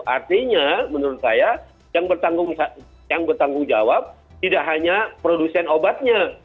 artinya menurut saya yang bertanggung jawab tidak hanya produsen obatnya